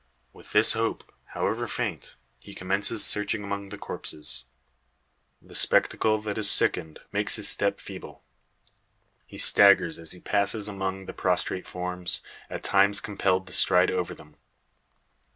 With this hope, however faint, he commences searching among the corpses. The spectacle, that has sickened, makes his step feeble. He staggers as he passes among the prostrate forms, at times compelled to stride over them.